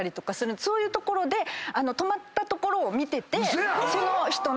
そういう所で止まったところを見ててその人の。